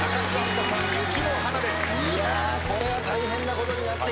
いやこれは大変なことになってきたぞ。